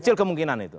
kecil kemungkinan itu